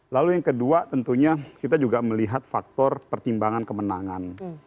lalu yang kedua tentunya kita juga melihat faktor pertimbangan kemenangan